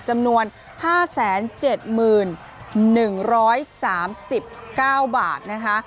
จำนวน๕๗๑๓๙บาทนะคะ